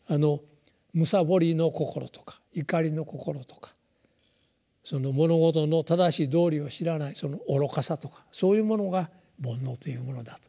貪の心とか瞋の心とか物事の正しい道理を知らないその癡とかそういうものが「煩悩」というものだと。